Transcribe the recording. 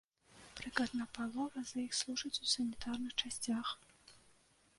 Прыкладна палова з іх служаць у санітарных часцях.